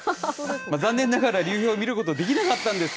残念ながら流氷見ることができなかったんです。